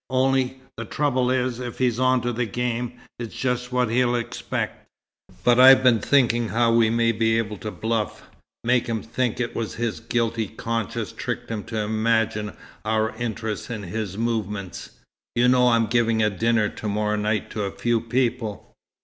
Only, the trouble is, if he's on to the game, it's just what he'll expect. But I've been thinking how we may be able to bluff make him think it was his guilty conscience tricked him to imagine our interest in his movements. You know I'm giving a dinner to morrow night to a few people?"